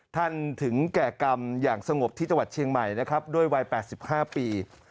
ถึงแก่กรรมอย่างสงบที่จังหวัดเชียงใหม่นะครับด้วยวัย๘๕ปี